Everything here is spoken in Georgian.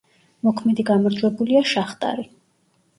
მოქმედი გამარჯვებულია „შახტარი“.